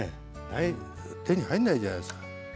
手に入んないじゃないですか。